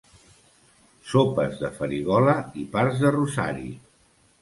Sopes de farigola i parts de rosari.